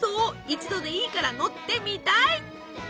一度でいいから乗ってみたい！